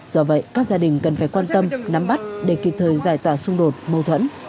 do vậy các gia đình cần phải quan tâm nắm bắt để kịp thời giải tỏa xung đột mâu thuẫn